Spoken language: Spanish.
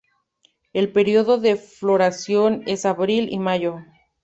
El período de floración es abril y mayo.